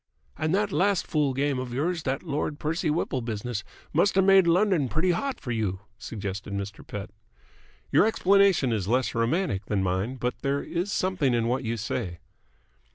"And that last fool game of yours, that Lord Percy Whipple business, must have made London pretty hot for you?" suggested Mr. Pett. "Your explanation is less romantic than mine, but there is something in what you say."